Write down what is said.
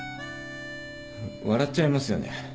笑っちゃいますよね。